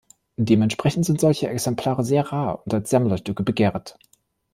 Dementsprechend sind solche Exemplare sehr rar und als Sammlerstücke begehrt.